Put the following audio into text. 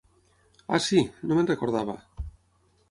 Ah, sí! No me'n recordava.